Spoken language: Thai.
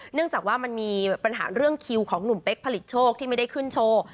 เนื่องจากว่ามันมีปัญหาเรื่องคิวของหนุ่มเป๊กผลิตโชคที่ไม่ได้ขึ้นโชว์